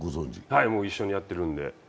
はい、一緒にやってるんで。